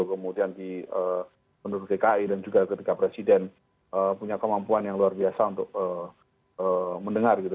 kemudian di penduduk dki dan juga ketika presiden punya kemampuan yang luar biasa untuk mendengar gitu